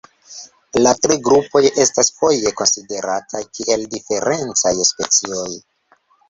La tri grupoj estas foje konsiderataj kiel diferencaj specioj.